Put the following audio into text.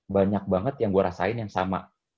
banyak banget yang gue rasain yang sama